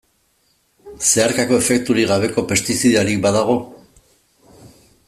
Zeharkako efekturik gabeko pestizidarik badago?